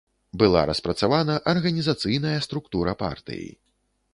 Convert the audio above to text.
Была распрацавана арганізацыйная структура партыі.